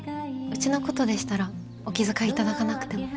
うちのことでしたらお気遣い頂かなくても。